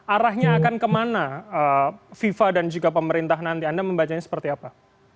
arahnya akan kemana fifa dan juga pemerintah nanti anda membacanya seperti apa